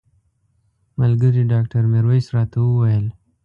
ملګري ډاکټر میرویس راته وویل.